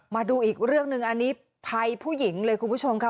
มาดูอีกเรื่องหนึ่งอันนี้ภัยผู้หญิงเลยคุณผู้ชมค่ะ